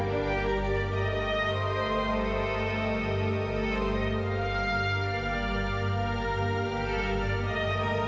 sebelum bertemu siapa